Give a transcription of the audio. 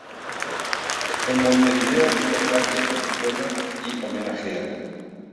En Montevideo una calle lo recuerda y homenajea.